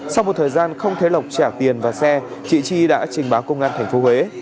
sau một thời gian không thế lộc trả tiền và xe chị chi đã trình báo công an tp huế